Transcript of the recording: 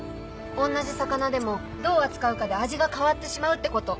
同じ魚でもどう扱うかで味が変わってしまうってこと。